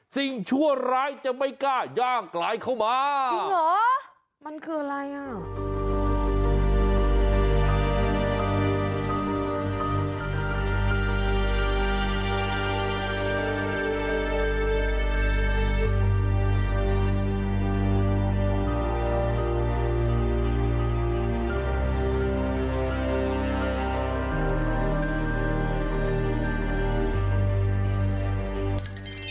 ชั่วร้ายจะไม่กล้าย่างกลายเข้ามาจริงเหรอมันคืออะไรอ่ะ